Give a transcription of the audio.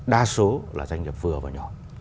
đa số là doanh nghiệp vừa và nhỏ